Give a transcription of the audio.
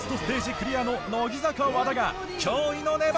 クリアの乃木坂和田が驚異の粘りを見せる！